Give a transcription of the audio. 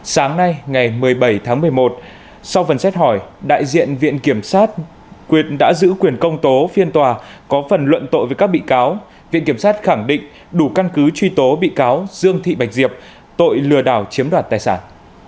sáng nay ngày một mươi bảy tháng một mươi một sau phần xét hỏi đại diện viện kiểm sát quyền đã giữ quyền công tố phiên tòa có phần luận tội với các bị cáo viện kiểm sát khẳng định đủ căn cứ truy tố bị cáo dương thị bạch diệp tội lừa đảo chiếm đoạt tài sản